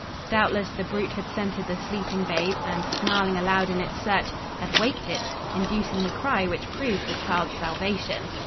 Doubtless the brute had scented the sleeping babe, and, snarling aloud in its search, had waked it, inducing the cry which proved the child's salvation.